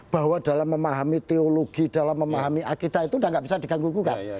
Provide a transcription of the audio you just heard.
bahwa dalam memahami teologi dalam memahami akidah itu sudah tidak bisa diganggu gugat